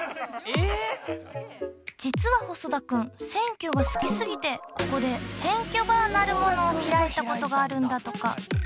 実は細田くん選挙が好きすぎてここで選挙バーなるものを開いたことがあるんだとか。